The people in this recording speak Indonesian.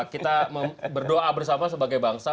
kita berdoa bersama sebagai bangsa